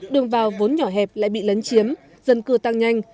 đường vào vốn nhỏ hẹp lại bị lấn chiếm dân cư tăng nhanh